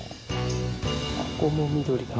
ここも緑だ。